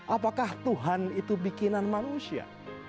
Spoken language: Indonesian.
apakah tuhan itu bikinan manusia